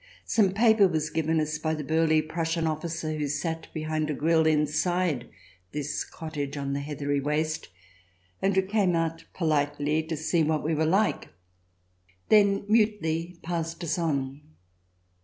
Some paper was given us by the burly Prussian officer who sat behind a grille inside this cottage on the heathery waste, and who came out politely to see what we were like; then mutely passed us on.